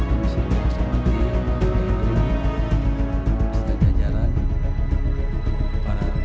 berharap saya berharap saya berharap saya berharap saya berharap saya berharap saya berharap saya berharap